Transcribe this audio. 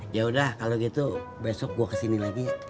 yaudah kalau gitu besok gue kesini lagi